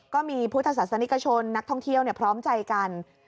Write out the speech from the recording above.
ก็มีพุทธศาสนิกชนนักท่องเที่ยวพร้อมใจกัน